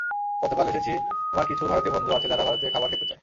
গতকাল এসেছি আমার কিছু ভারতীয় বন্ধু আছে যারা ভারতীয় খাবার খেতে চায়।